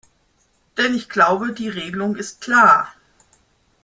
Denn ich glaube, die Regelung ist klar.